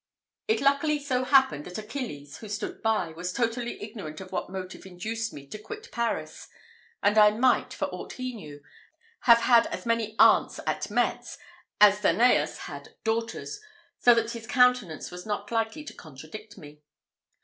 It luckily so happened that Achilles, who stood by, was totally ignorant of what motive induced me to quit Paris; and I might, for aught he knew, have had as many aunts at Metz as Danaüs had daughters; so that his countenance was not likely to contradict me.